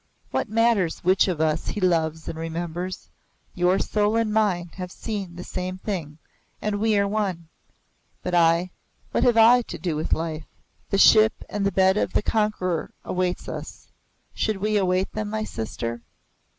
What matters which of us he loves and remembers? Your soul and mine have seen the same thing, and we are one. But I what have I to do with life? The ship and the bed of the conqueror await us. Should we await them, my sister?"